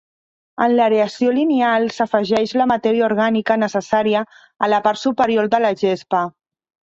En l'aeració lineal, s'afegeix la matèria orgànica necessària a la part superior de la gespa.